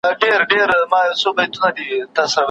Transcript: پیکر که هر څو دلربا تر دی